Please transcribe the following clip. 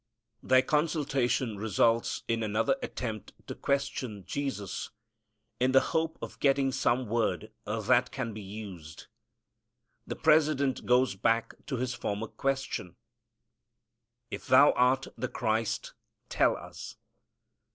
Their consultation results in another attempt to question Jesus in the hope of getting some word that can be used. The president goes back to his former question, "If Thou art the Christ, tell us."